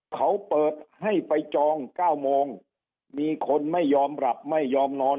เขาเปิดให้ไปจอง๙โมงมีคนไม่ยอมหลับไม่ยอมนอน